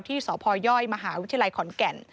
ที่สพยมหาวิทยาลัยขอนแก่น